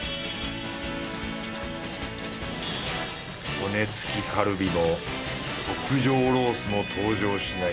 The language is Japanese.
骨付きカルビも特上ロースも登場しない